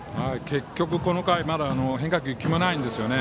結局、この回、まだ変化球１球もないんですよね。